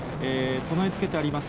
備え付けてあります